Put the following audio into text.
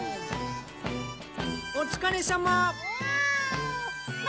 お疲れさま。